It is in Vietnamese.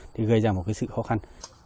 thì gây ra một cái sự khó khăn